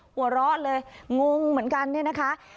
หัวเราะเลยงงเหมือนกันเนี่ยนะคะ